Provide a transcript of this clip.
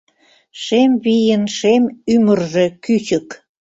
Шем вийын шем ӱмыржӧ кӱчык.